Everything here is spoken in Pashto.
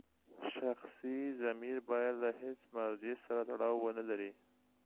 شخصي ضمیر باید له هېڅ مرجع سره تړاو ونلري.